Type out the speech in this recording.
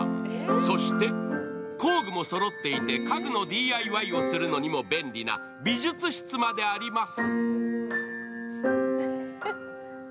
そして工具もそろっていて、家具のＤＩＹをするのにも便利な美術室まであります。